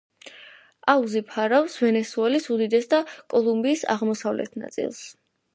აუზი ფარავს ვენესუელის უდიდეს და კოლუმბიის აღმოსავლეთ ნაწილს.